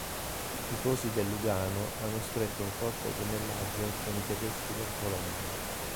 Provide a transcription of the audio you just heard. I tifosi del Lugano hanno stretto un forte gemellaggio con i tedeschi del Colonia.